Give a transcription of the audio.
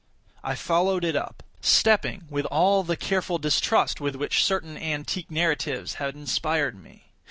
I followed it up; stepping with all the careful distrust with which certain antique narratives had inspired me.